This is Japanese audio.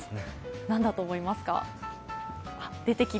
何だと思いますか？